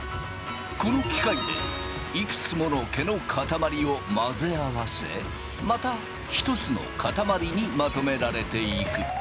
この機械でいくつもの毛の塊を混ぜ合わせまた１つの塊にまとめられていく。